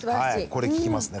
これ効きますね